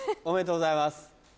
おめでとうございます。